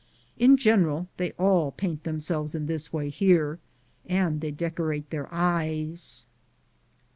In general they all paint themselves in this way here, and they decorate their eyes.